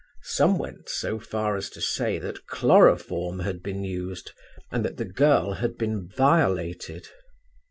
Some went so far as to say that chloroform had been used, and that the girl had been violated.